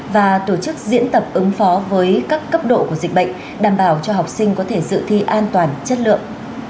và tổ chức diễn tập ứng phó với các cấp độ của dịch bệnh đảm bảo cho học sinh có thể dự thi an toàn chất lượng